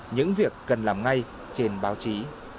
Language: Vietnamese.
những việc cần làm ngay trên báo chí